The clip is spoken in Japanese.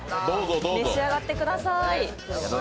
召し上がってください。